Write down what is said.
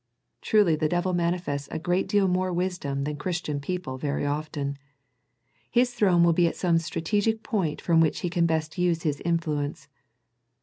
Truly the devil manifests a great deal more wisdom than Christian people very often. His throne will be at some strategic point from which he can best use his influence.